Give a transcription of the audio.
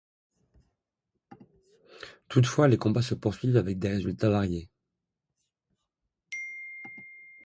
Toutefois les combats se poursuivent avec des résultats variés.